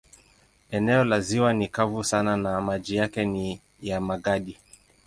Eneo la ziwa ni kavu sana na maji yake ni ya magadi.